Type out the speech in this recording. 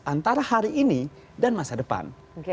antara hari ini dan masa depan